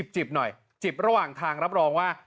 จิบหน่อยจิบระหว่างทางรับรองว่า